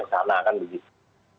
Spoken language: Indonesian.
kesana kan begitu